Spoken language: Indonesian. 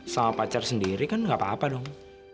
sama pacar sendiri kan gak apa apa dong